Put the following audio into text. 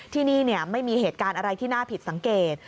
ที่นี่ไม่มีเหตุการณ์อะไรที่น่าผิดสังเกต